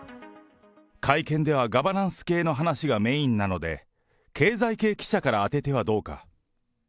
会見ではガバナンス系の話がメインなので、経済系記者から当ててはどうか。